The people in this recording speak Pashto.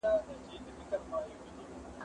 زه به سبا کتاب وليکم!!!!